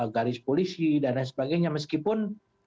garis polisi dan lain sebagainya meskipun